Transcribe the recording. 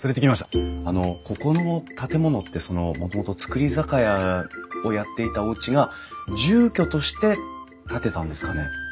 あのここの建物ってそのもともと造り酒屋をやっていたおうちが住居として建てたんですかね？